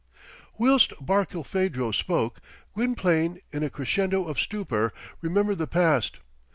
Whilst Barkilphedro spoke, Gwynplaine, in a crescendo of stupor, remembered the past.